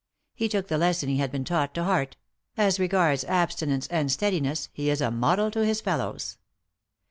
He took the lesson he had been taught to heart ; as regards abstinence and steadiness, he is a model to his fellows.